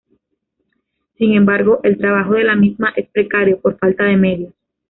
Sin embargo, el trabajo de la misma es precario, por falta de medios.